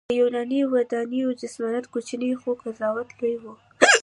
د یوناني ودانیو جسامت کوچنی خو فضا لویه وه.